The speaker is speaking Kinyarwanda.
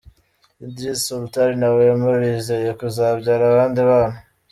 Idriss Sultan na Wema bizeye kuzabyara abandi bana.